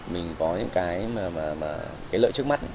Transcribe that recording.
mình có những cái lợi trước mắt